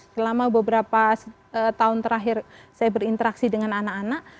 selama beberapa tahun terakhir saya berinteraksi dengan anak anak